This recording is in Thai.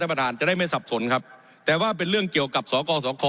ประธานจะได้ไม่สับสนครับแต่ว่าเป็นเรื่องเกี่ยวกับสกสค